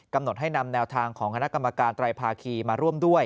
กำหนดให้นำแนวทางของคณะกรรมการไตรภาคีมาร่วมด้วย